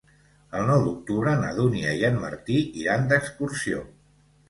El nou d'octubre na Dúnia i en Martí iran d'excursió.